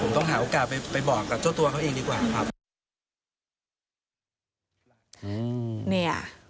ต้องหาโอกาสไปบอกกับเจ้าตัวเขาเองดีกว่าครับ